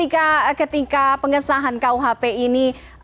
ketika pengesahan kuhp ini